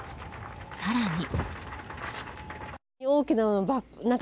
更に。